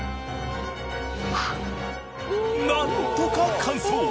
なんとか完走。